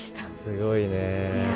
すごいね。